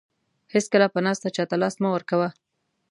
هیڅکله په ناسته چاته لاس مه ورکوه.